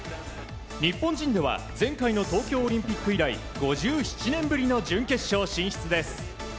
日本人では前回の東京オリンピック以来５７年ぶりの準決勝進出です。